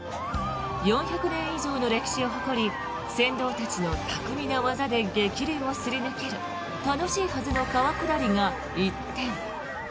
４００年以上の歴史を誇り船頭たちの巧みな技で激流をすり抜ける楽しいはずの川下りが一転。